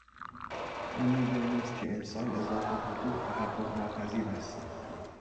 او میدانست که امسال اضافه حقوق تحققناپذیر است.